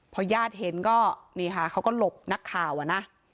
พอญาติเห็นก็นี่ค่ะเขาก็หลบนักข่าวอะนะ